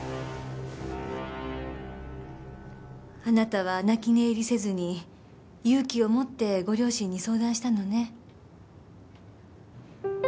あなたは泣き寝入りせずに勇気を持ってご両親に相談したのね。